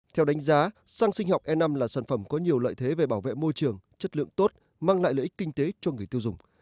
theo đánh giá xăng sinh học e năm là sản phẩm có nhiều lợi thế về bảo vệ môi trường chất lượng tốt mang lại lợi ích kinh tế cho người tiêu dùng